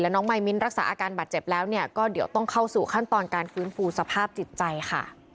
น้องมายมิ้นรักษาอาการบาดเจ็บแล้วเนี่ยก็เดี๋ยวต้องเข้าสู่ขั้นตอนการฟื้นฟูสภาพจิตใจค่ะ